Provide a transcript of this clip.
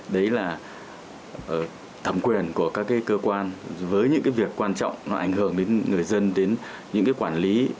đấy là thẩm quyền của các cơ quan với những việc quan trọng nó ảnh hưởng đến người dân đến những quản lý